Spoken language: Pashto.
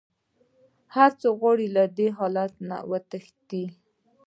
هر څوک غواړي له دې حالت نه وتښتي.